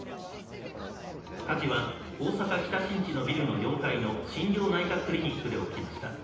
火事は、大阪・北新地のビルの４階の心療内科クリニックで起きました。